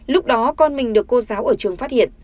lúc đó con mình được cô giáo ở trường phát hiện